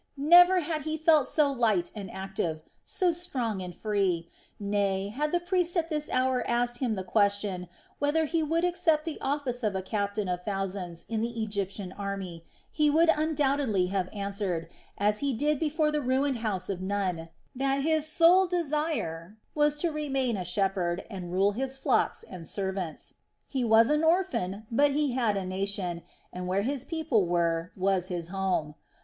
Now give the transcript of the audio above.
Never had he felt so light and active, so strong and free, nay had the priest at this hour asked him the question whether he would accept the office of a captain of thousands in the Egyptian army, he would undoubtedly have answered, as he did before the ruined house of Nun, that his sole desire was to remain a shepherd and rule his flocks and servants. He was an orphan, but he had a nation, and where his people were was his home.